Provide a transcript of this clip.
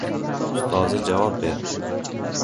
Ustozi javob berdi: